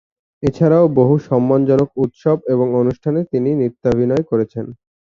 এছাড়াও বহু সম্মানজনক উৎসব এবং অনুষ্ঠানে তিনি নৃত্যাভিনয় করেছেন।